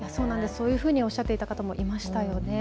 そういうふうおっしゃっていた方もいましたよね。